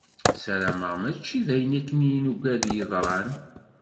Ssarameɣ mačči d ayen akken i nuggad i d-yeḍran.